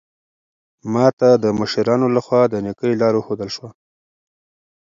ما ته د مشرانو لخوا د نېکۍ لار وښودل شوه.